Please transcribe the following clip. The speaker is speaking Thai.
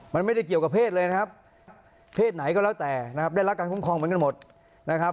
มันไม่ได้เกี่ยวกับเพศเลยนะครับเพศไหนก็แล้วแต่นะครับได้รับการคุ้มครองเหมือนกันหมดนะครับ